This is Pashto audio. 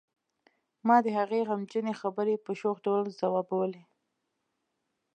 ما د هغې غمجنې خبرې په شوخ ډول ځوابولې